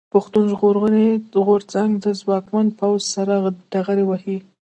پښتون ژغورني غورځنګ د ځواکمن پوځ سره ډغرې وهي.